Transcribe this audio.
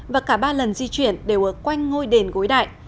và cả ba lần di chuyển đều ở quanh ngôi đền gối đại